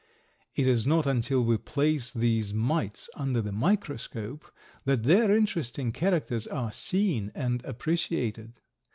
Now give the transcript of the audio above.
It is not until we place these mites under the microscope that their interesting characters are seen and appreciated.